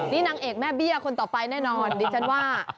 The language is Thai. นี่นางเอกแม่เบี้ยคนต่อไปแน่นอนดิฉันว่า